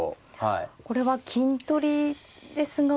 これは金取りですが受け方が。